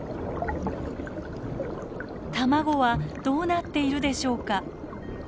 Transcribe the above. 卵はどうなっているでしょうか？